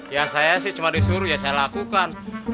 ya saya sih cuma disuruh ya saya lakukan